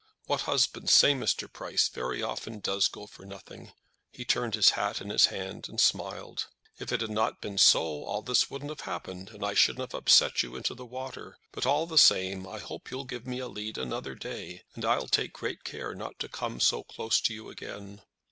"What husbands say, Mr. Price, very often does go for nothing." He turned his hat in his hand, and smiled. "If it had not been so, all this wouldn't have happened, and I shouldn't have upset you into the water. But all the same, I hope you'll give me a lead another day, and I'll take great care not to come so close to you again."